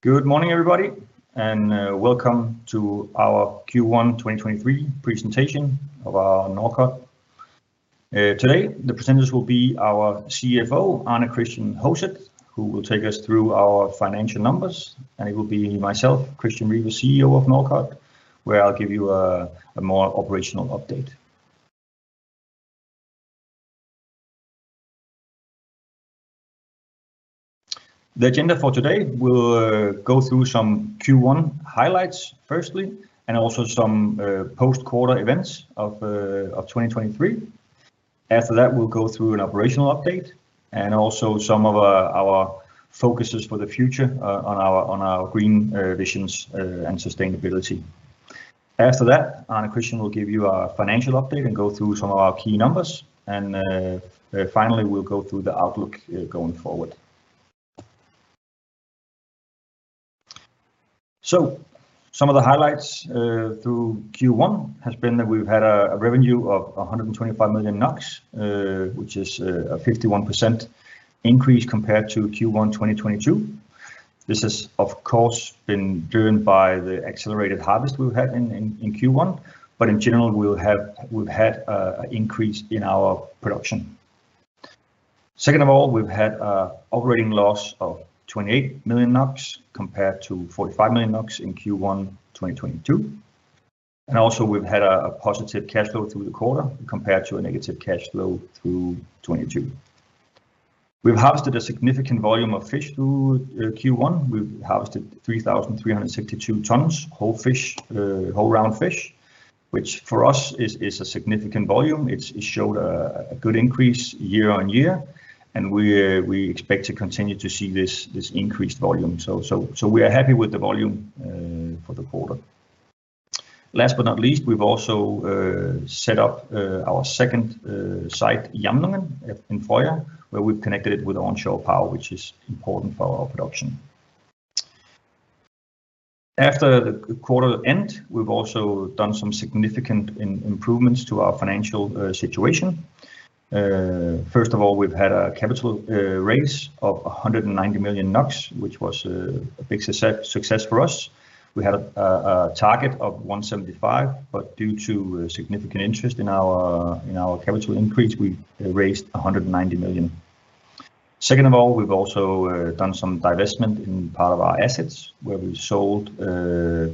Good morning, everybody, and welcome to our Q1 2023 presentation of Norcod. Today, the presenters will be our CFO, Arne Kristian Hoset, who will take us through our financial numbers, and it will be myself, Christian Riber, CEO of Norcod, where I'll give you a more operational update. The agenda for today, we'll go through some Q1 highlights firstly, and also some post-quarter events of 2023. After that, we'll go through an operational update, and also some of our focuses for the future on our green visions and sustainability. After that, Arne Kristian will give you a financial update and go through some of our key numbers, and finally, we'll go through the outlook going forward. Some of the highlights through Q1 has been that we've had a revenue of 125 million NOK, which is a 51% increase compared to Q1 2022. This has, of course, been driven by the accelerated harvest we've had in Q1, but in general, we've had an increase in our production. Second of all, we've had an operating loss of 28 million NOK compared to 45 million NOK in Q1 2022. Also, we've had a positive cash flow through the quarter compared to a negative cash flow through 2022. We've harvested a significant volume of fish through Q1. We've harvested 3,362 tons, whole fish, whole round fish, which for us is a significant volume. It's, it showed a good increase year-over-year, and we expect to continue to see this increased volume. We are happy with the volume for the quarter. Last but not least, we've also set up our second site, Jamnungen, in Frøya, where we've connected it with onshore power, which is important for our production. After the quarter end, we've also done some significant improvements to our financial situation. First of all, we've had a capital raise of 190 million NOK, which was a big success for us. We had a target of 175 million, but due to significant interest in our capital increase, we raised 190 million. Second of all, we've also done some divestment in part of our assets, where we sold a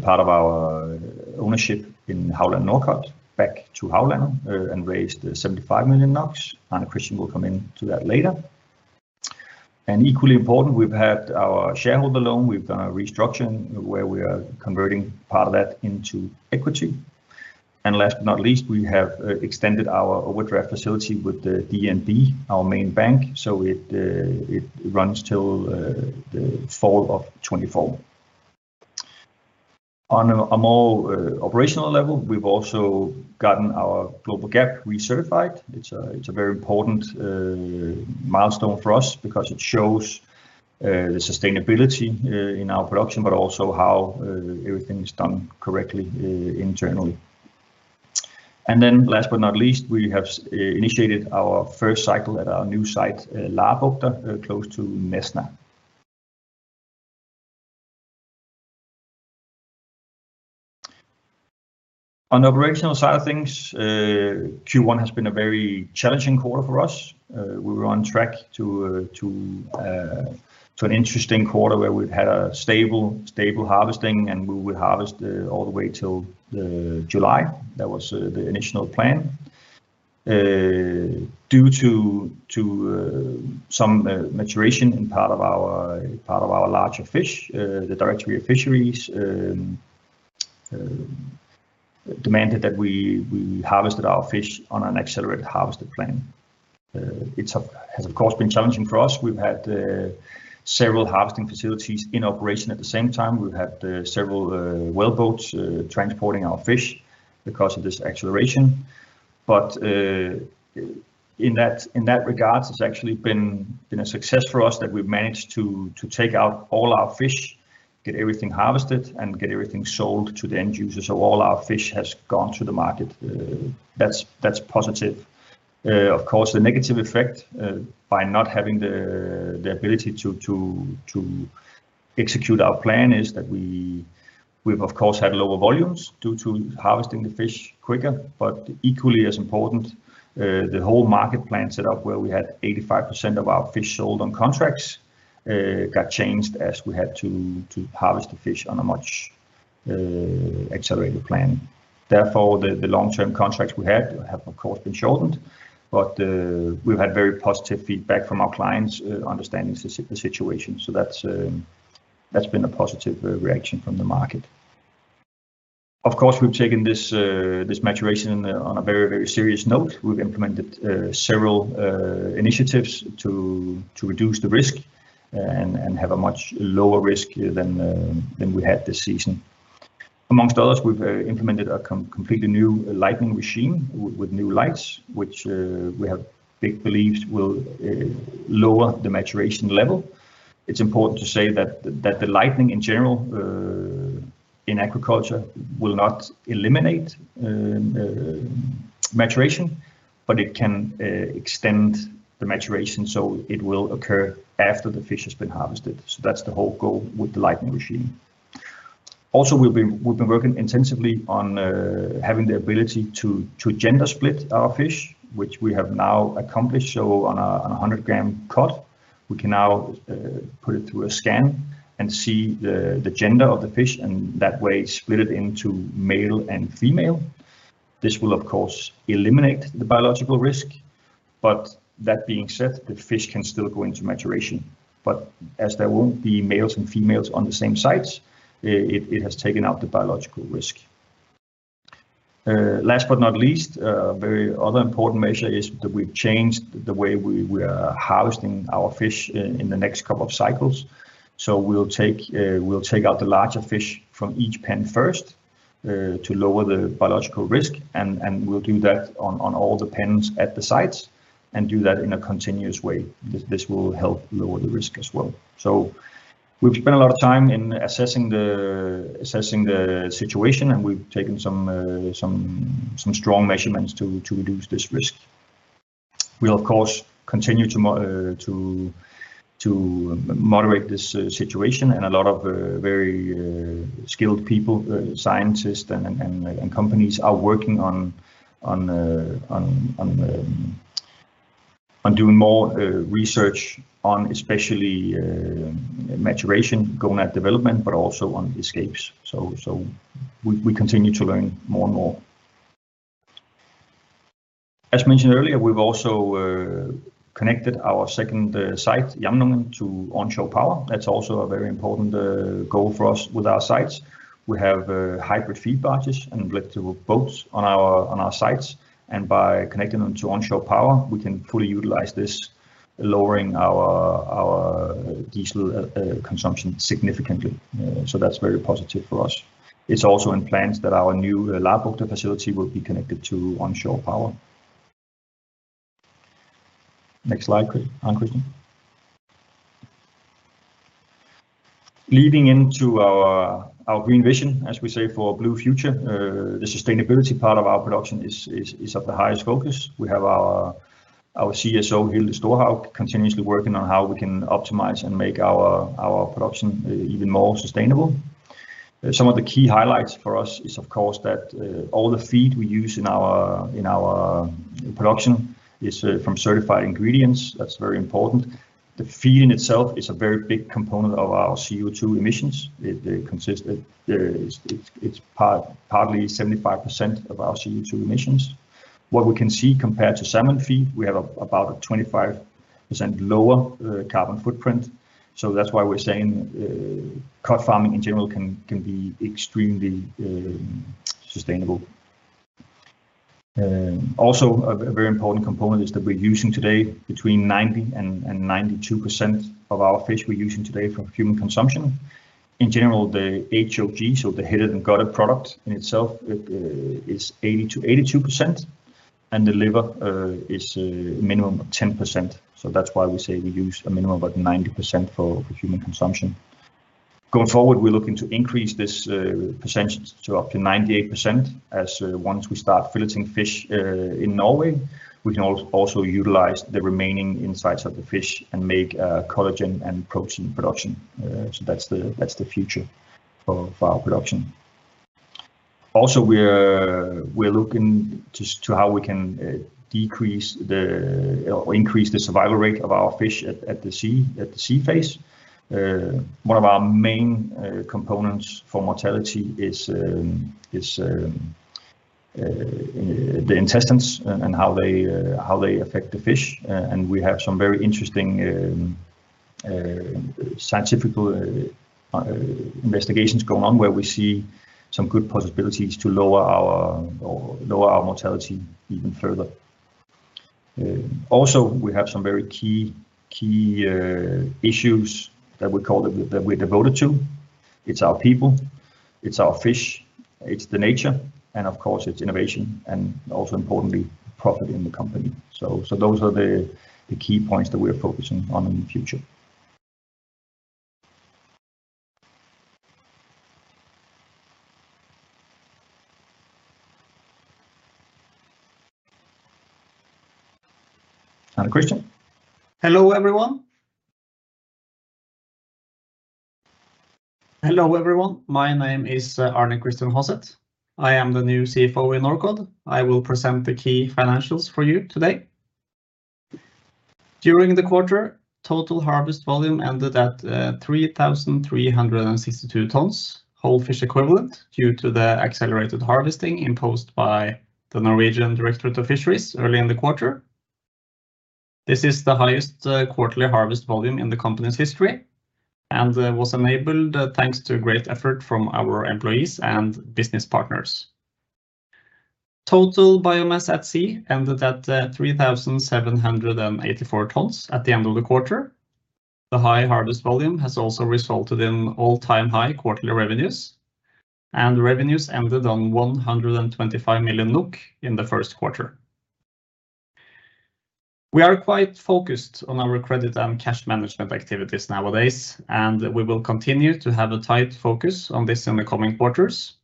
part of our ownership in Havlandet Norcod back to Havlandet, and raised 75 million NOK, and Arne Kristian will come into that later. Equally important, we've had our shareholder loan. We've done a restructuring where we are converting part of that into equity. Last but not least, we have extended our overdraft facility with the DNB, our main bank, so it runs till the fall of 2024. On a more operational level, we've also gotten our GLOBALG.A.P. recertified. It's a very important milestone for us because it shows the sustainability in our production, but also how everything is done correctly internally. Last but not least, we have initiated our first cycle at our new site, Labukta, close to Nesna. On the operational side of things, Q1 has been a very challenging quarter for us. We were on track to an interesting quarter where we've had a stable harvesting, and we will harvest all the way till July. That was the initial plan. Due to some maturation in part of our larger fish, the Directorate of Fisheries demanded that we harvested our fish on an accelerated harvested plan. It's has of course, been challenging for us. We've had several harvesting facilities in operation at the same time. We've had several wellboats transporting our fish because of this acceleration. In that regards, it's actually been a success for us that we've managed to take out all our fish, get everything harvested, and get everything sold to the end user. All our fish has gone to the market. That's positive. Of course, the negative effect, by not having the ability to execute our plan is that we've, of course, had lower volumes due to harvesting the fish quicker, but equally as important, the whole market plan set up where we had 85% of our fish sold on contracts, got changed as we had to harvest the fish on a much accelerated plan. Therefore, the long-term contracts we had have, of course, been shortened, but we've had very positive feedback from our clients, understanding the situation, so that's been a positive reaction from the market. Of course, we've taken this maturation on a very, very serious note. We've implemented several initiatives to reduce the risk and have a much lower risk than we had this season. Amongst others, we've implemented a completely new lighting machine with new lights, which we have big beliefs will lower the maturation level. It's important to say that the lighting, in general, in agriculture will not eliminate maturation, but it can extend the maturation, so it will occur after the fish has been harvested. That's the whole goal with the lighting machine. Also, we've been working intensively on having the ability to gender split our fish, which we have now accomplished. On a 100 g cod, we can now put it through a scan and see the gender of the fish, and that way split it into male and female. This will, of course, eliminate the biological risk, but that being said, the fish can still go into maturation. As there won't be males and females on the same sites, it has taken out the biological risk. Last but not least, a very other important measure is that we've changed the way we are harvesting our fish in the next couple of cycles. We'll take out the larger fish from each pen first, to lower the biological risk, and we'll do that on all the pens at the sites and do that in a continuous way. This will help lower the risk as well. We've spent a lot of time in assessing the situation, and we've taken some strong measurements to reduce this risk. We, of course, continue to moderate this situation, and a lot of very skilled people, scientists and companies are working on doing more research on especially, maturation, gonad development, but also on escapes. We continue to learn more and more. As mentioned earlier, we've also connected our second site, Jamnungen, to onshore power. That's also a very important goal for us with our sites. We have hybrid feed barges and electric boats on our sites, and by connecting them to onshore power, we can fully utilize this, lowering our diesel consumption significantly. So that's very positive for us. It's also in plans that our new lab outdoor facility will be connected to onshore power. Next slide, please, Kristian. Leading into our green vision, as we say, for a blue future, the sustainability part of our production is of the highest focus. We have our CSO, Hilde Storhaug, continuously working on how we can optimize and make our production even more sustainable. Some of the key highlights for us is, of course, that all the feed we use in our production is from certified ingredients. That's very important. The feed in itself is a very big component of our CO2 emissions. It's partly 75% of our CO2 emissions. What we can see compared to salmon feed, we have about a 25% lower carbon footprint. That's why we're saying cod farming in general can be extremely sustainable. Also, a very important component is that we're using today between 90% and 92% of our fish we're using today for human consumption. In general, the HOG, so the head and gutter product in itself, is 80%-82%, and the liver is a minimum of 10%. That's why we say we use a minimum of about 90% for human consumption. Going forward, we're looking to increase this percentage to up to 98%, as once we start filleting fish in Norway, we can also utilize the remaining insides of the fish and make collagen and protein production. That's the future for our production. Also, we're looking to how we can increase the survival rate of our fish at the sea phase. One of our main components for mortality is the intestines and how they affect the fish. We have some very interesting scientific investigations going on, where we see some good possibilities to lower our mortality even further. Also, we have some very key issues that we call that we're devoted to. It's our people, it's our fish, it's the nature, and of course, it's innovation, and also importantly, profit in the company. Those are the key points that we're focusing on in the future. Kristian? Hello, everyone. My name is Arne Kristian Hoset. I am the new CFO in Norcod. I will present the key financials for you today. During the quarter, total harvest volume ended at 3,362 tons, whole fish equivalent, due to the accelerated harvesting imposed by the Norwegian Directorate of Fisheries early in the quarter. This is the highest quarterly harvest volume in the company's history and was enabled thanks to a great effort from our employees and business partners. Total biomass at sea ended at 3,784 tons at the end of the quarter. The high harvest volume has also resulted in all-time high quarterly revenues, and revenues ended on 125 million NOK in the first quarter. We are quite focused on our credit and cash management activities nowadays, and we will continue to have a tight focus on this in the coming quarters.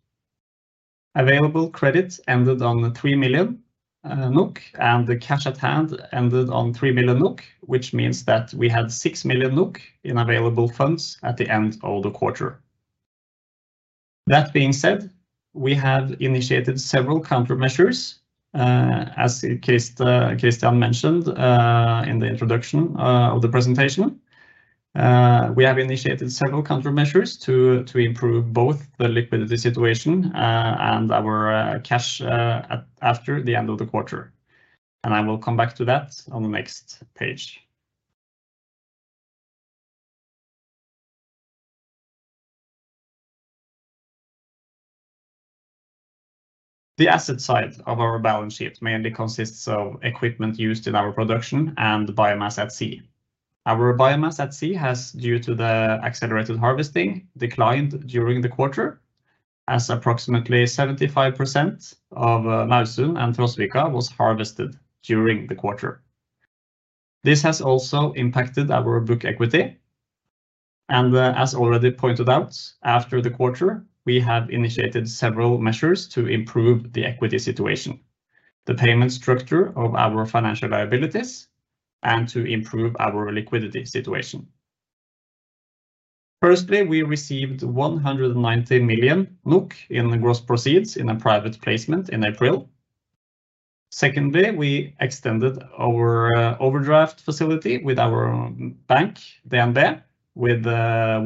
Available credit ended on 3 million NOK, and the cash at hand ended on 3 million NOK, which means that we had 6 million NOK in available funds at the end of the quarter. That being said, we have initiated several countermeasures, as Christian mentioned, in the introduction of the presentation. We have initiated several countermeasures to improve both the liquidity situation and our cash after the end of the quarter, and I will come back to that on the next page. The asset side of our balance sheet mainly consists of equipment used in our production and biomass at sea. Our biomass at sea has, due to the accelerated harvesting, declined during the quarter, as approximately 75% of Mausund and Frøsvika was harvested during the quarter. This has also impacted our book equity, and as already pointed out, after the quarter, we have initiated several measures to improve the equity situation, the payment structure of our financial liabilities, and to improve our liquidity situation. Firstly, we received 190 million NOK in the gross proceeds in a private placement in April. Secondly, we extended our overdraft facility with our own bank, DNB, with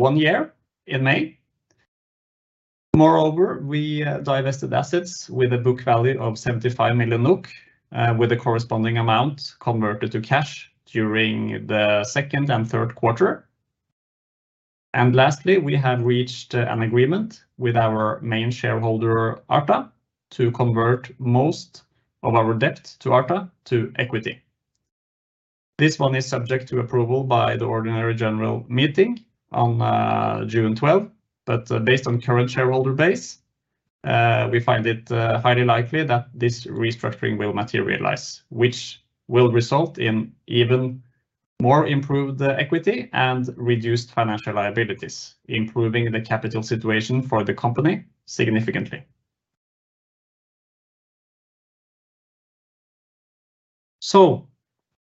one year in May. Moreover, we divested assets with a book value of 75 million NOK with a corresponding amount converted to cash during the second and third quarter. Lastly, we have reached an agreement with our main shareholder, Artha, to convert most of our debt to Artha to equity. This one is subject to approval by the ordinary general meeting on June 12. Based on current shareholder base, we find it highly likely that this restructuring will materialize, which will result in even more improved equity and reduced financial liabilities, improving the capital situation for the company significantly.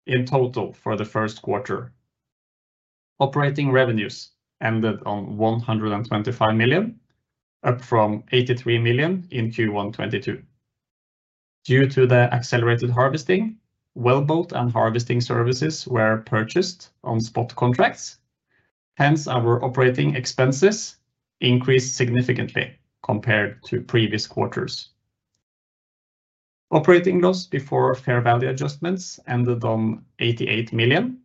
In total, for the first quarter, operating revenues ended on 125 million, up from 83 million in Q1 2022. Due to the accelerated harvesting, wellboat and harvesting services were purchased on spot contracts, hence, our operating expenses increased significantly compared to previous quarters. Operating loss before fair value adjustments ended on 88 million,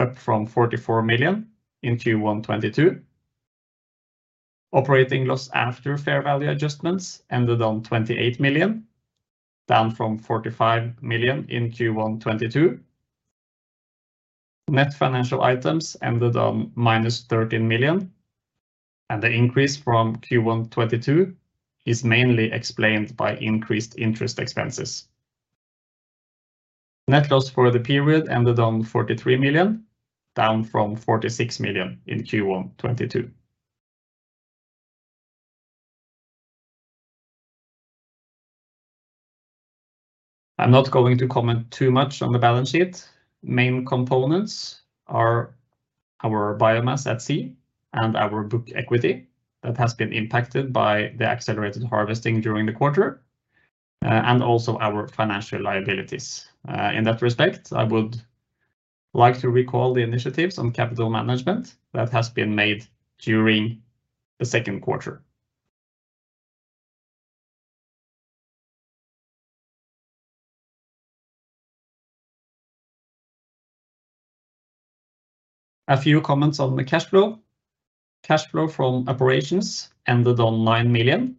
up from 44 million in Q1 2022. Operating loss after fair value adjustments ended on 28 million, down from 45 million in Q1 2022. Net financial items ended on minus 13 million. The increase from Q1 2022 is mainly explained by increased interest expenses. Net loss for the period ended on 43 million, down from 46 million in Q1 2022. I'm not going to comment too much on the balance sheet. Main components are our biomass at sea and our book equity that has been impacted by the accelerated harvesting during the quarter, and also our financial liabilities. In that respect, I would like to recall the initiatives on capital management that has been made during the second quarter. A few comments on the cash flow. Cash flow from operations ended on 9 million,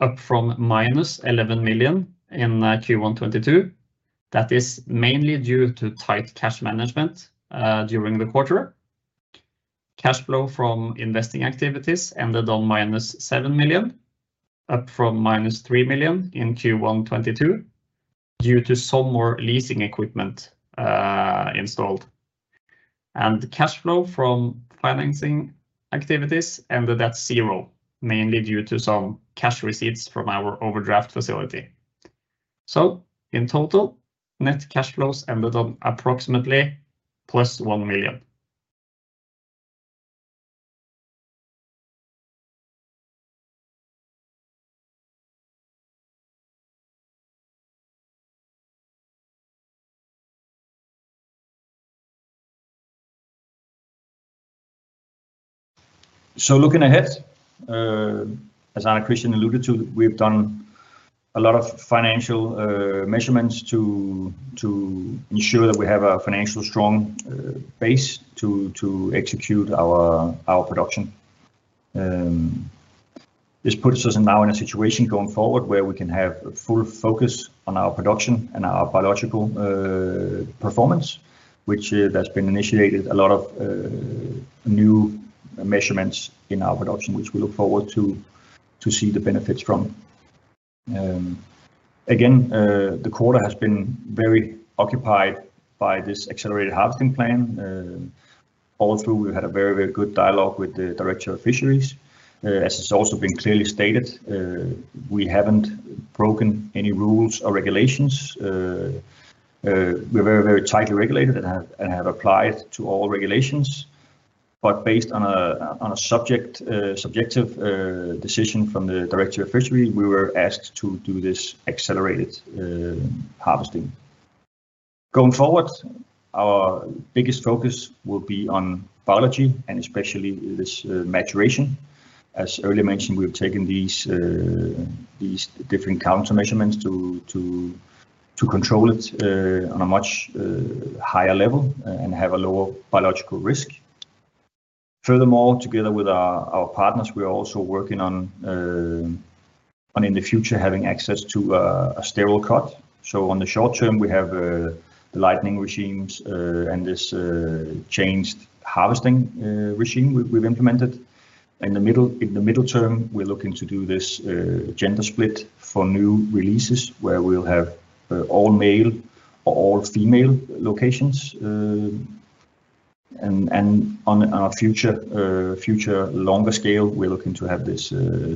up from minus 11 million in Q1 2022. That is mainly due to tight cash management during the quarter. Cash flow from investing activities ended on minus 7 million, up from minus 3 million in Q1 2022, due to some more leasing equipment, installed. Cash flow from financing activities ended at NOK zero, mainly due to some cash receipts from our overdraft facility. In total, net cash flows ended on approximately NOK +1 million. Looking ahead, as Arne Christian alluded to, we've done a lot of financial measurements to ensure that we have a financial strong base to execute our production. This puts us now in a situation going forward, where we can have a full focus on our production and our biological performance, which there's been initiated a lot of new measurements in our production, which we look forward to see the benefits from. Again, the quarter has been very occupied by this accelerated harvesting plan. All through, we've had a very, very good dialogue with the Directorate of Fisheries. As it's also been clearly stated, we haven't broken any rules or regulations. We're very, very tightly regulated and have applied to all regulations. Based on a, on a subject, subjective, decision from the Directorate of Fisheries, we were asked to do this accelerated harvesting. Going forward, our biggest focus will be on biology, and especially this maturation. As earlier mentioned, we've taken these different counter measurements to control it on a much higher level and have a lower biological risk. Furthermore, together with our partners, we are also working on in the future, having access to a sterile cod. On the short term, we have the lighting regimes and this changed harvesting regime we've implemented. In the middle term, we're looking to do this gender split for new releases, where we'll have all male or all female locations. On a future longer scale, we're looking to have this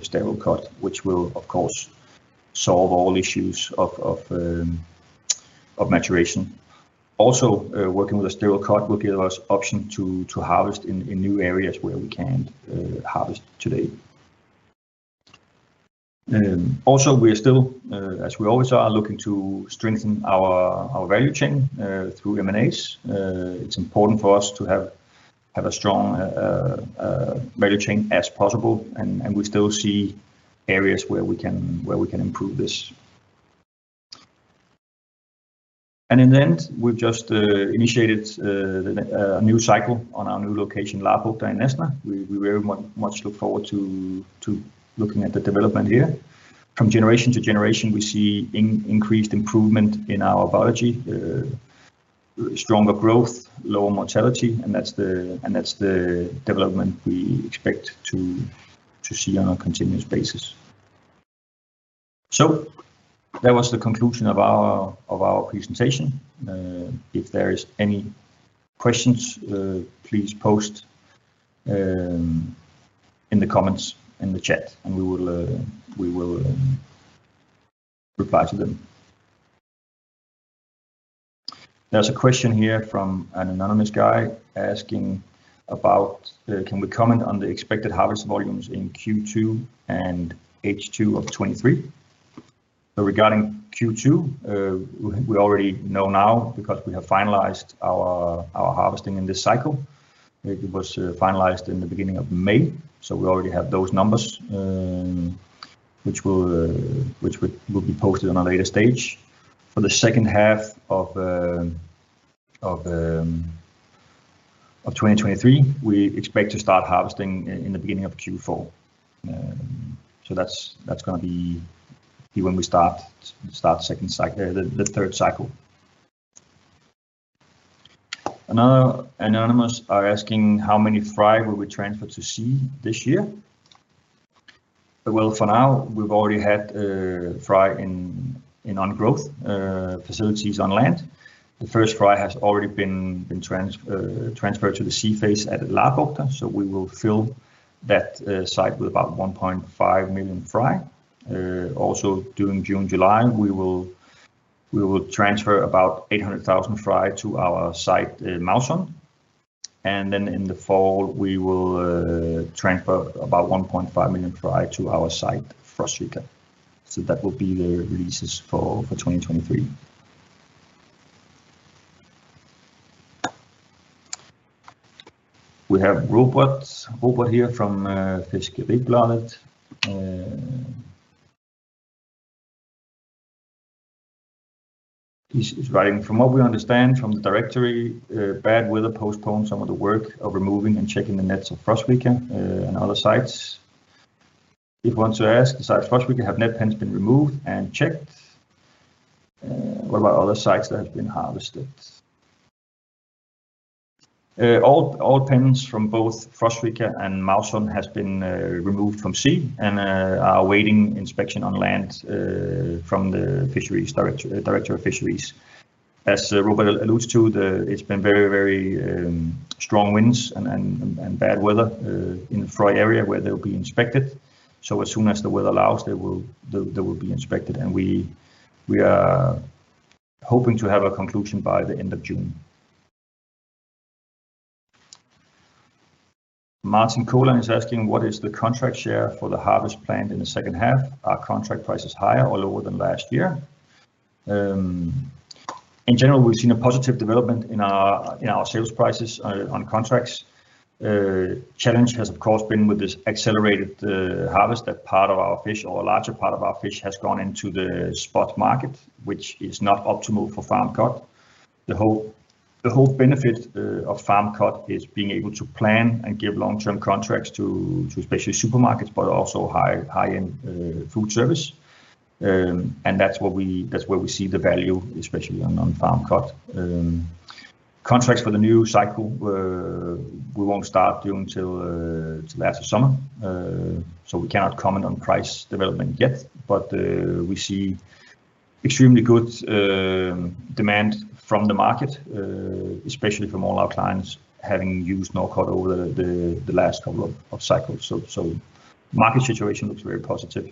sterile cod, which will, of course, solve all issues of maturation. Also, working with a sterile cod will give us option to harvest in new areas where we can't harvest today. Also, we are still, as we always are, looking to strengthen our value chain through M&As. It's important for us to have a strong value chain as possible, and we still see areas where we can improve this. In the end, we've just initiated a new cycle on our new location, Labukta in Nesna. We very much look forward to looking at the development here. From generation to generation, we see increased improvement in our biology, stronger growth, lower mortality, and that's the development we expect to see on a continuous basis. That was the conclusion of our presentation. If there is any questions, please post in the comments in the chat, and we will reply to them. There's a question here from an anonymous guy asking about, "Can we comment on the expected harvest volumes in Q2 and H2 of 2023?" Regarding Q2, we already know now because we have finalized our harvesting in this cycle. It was finalized in the beginning of May, so we already have those numbers, which will be posted on a later stage. For the second half of 2023, we expect to start harvesting in the beginning of Q4. That's gonna be when we start the second cycle. The third cycle. Another anonymous are asking: How many fry will we transfer to sea this year? Well, for now, we've already had fry on growth facilities on land. The first fry has already been transferred to the sea phase at Labukta. We will fill that site with about 1.5 million fry. Also during June, July, we will transfer about 800,000 fry to our site, Mausund. In the fall, we will transfer about 1.5 million fry to our site, Frøsvika. That will be the releases for 2023. We have Robert over here from Fiskeribladet. He's writing: From what we understand from the Directorate of Fisheries, bad weather postponed some of the work of removing and checking the nets of Frøsvika, and other sites. He wants to ask, "Does Frøsvika have net pens been removed and checked? What about other sites that have been harvested?" All pens from both Frøsvika and Mausund has been removed from sea and are awaiting inspection on land from the Directorate of Fisheries. As Robert alludes to, it's been very strong winds and bad weather in the fry area where they'll be inspected. As soon as the weather allows, they will be inspected, and we are hoping to have a conclusion by the end of June. Martin Colon is asking: What is the contract share for the harvest planned in the second half? Are contract prices higher or lower than last year? In general, we've seen a positive development in our sales prices on contracts. Challenge has, of course, been with this accelerated harvest, that part of our fish or a larger part of our fish has gone into the spot market, which is not optimal for farmed cod. The whole benefit of farmed cod is being able to plan and give long-term contracts to especially supermarkets, but also high-end food service. And that's where we see the value, especially on farmed cod. Contracts for the new cycle, we won't start doing till after summer. We cannot comment on price development yet, but we see extremely good demand from the market, especially from all our clients having used Norcod over the last couple of cycles. Market situation looks very positive.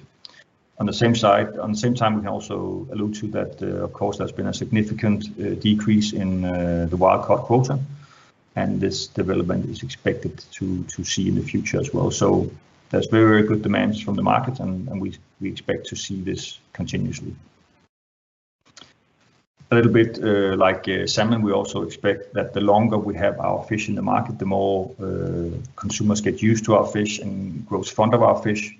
At the same time, we can also allude to that, of course, there's been a significant decrease in the wild cod quota, and this development is expected to see in the future as well. There's very, very good demands from the market, and we expect to see this continuously. A little bit like salmon, we also expect that the longer we have our fish in the market, the more consumers get used to our fish and grows fond of our fish.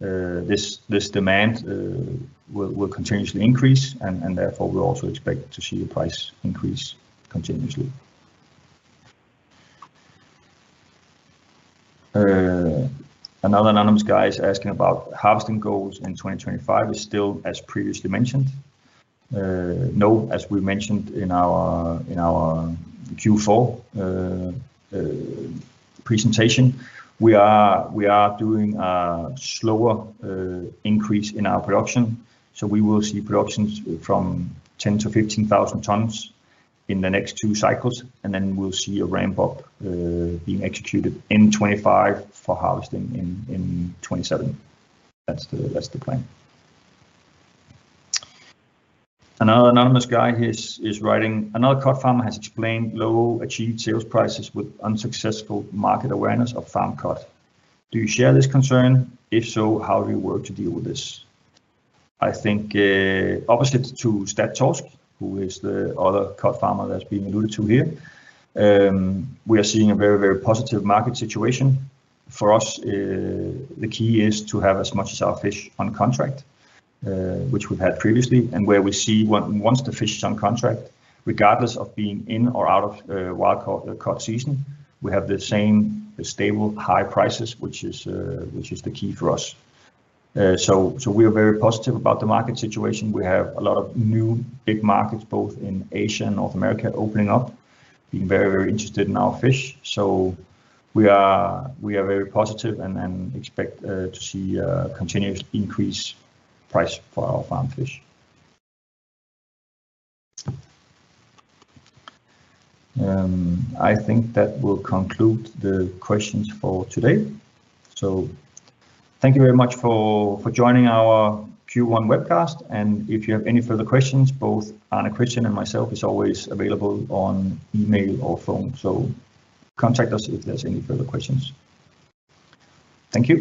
This demand will continuously increase, and therefore, we also expect to see the price increase continuously. Another anonymous guy is asking about harvesting goals in 2025 is still as previously mentioned? As we mentioned in our Q4 presentation, we are doing a slower increase in our production, so we will see productions from 10,000-15,000 tons in the next two cycles, and then we'll see a ramp up being executed in 2025 for harvesting in 2027. That's the plan. Another anonymous guy is writing: Another cod farmer has explained low achieved sales prices with unsuccessful market awareness of farm cod. Do you share this concern? If so, how do you work to deal with this? I think, opposite to Statt Torsk, who is the other cod farmer that's being alluded to here, we are seeing a very, very positive market situation. For us, the key is to have as much of our fish on contract, which we've had previously, and where we see once the fish is on contract, regardless of being in or out of wild cod season, we have the same stable, high prices, which is the key for us. We are very positive about the market situation. We have a lot of new big markets, both in Asia and North America, opening up, being very, very interested in our fish. We are very positive and expect to see a continuous increase price for our farm fish. I think that will conclude the questions for today. Thank you very much for joining our Q1 webcast. If you have any further questions, both Arne Kristian Hoset and myself is always available on email or phone. Contact us if there's any further questions. Thank you!